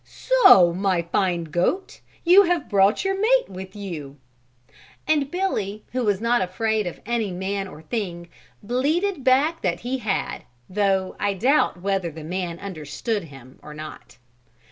"So my fine goat, you have brought your mate with you?" And Billy who was not afraid of any man or thing, bleated back that he had, though I doubt whether the man understood him or not.